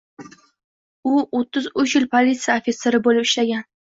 U o'ttiz uch yil politsiya ofitseri boʻlib ishlagan.